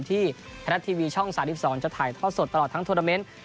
ที่แผนทัศน์ทีวีช่อง๓๒จะถ่ายทอดสดตลอดทั้งโทรมาน์เมนต์